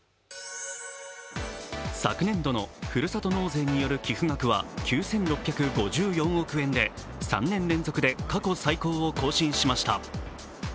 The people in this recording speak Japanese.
昨年度のふるさと納税による寄付額は９６５４億円で３年連続で過去最高を更新しました